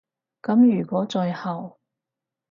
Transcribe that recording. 噉如果最後